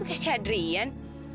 itu gak si adrian